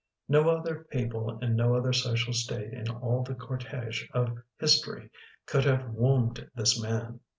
No other people and no other social state in all the cortege of history could have wombed this man.